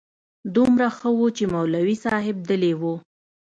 دومره ښه و چې مولوي صاحب دلې و.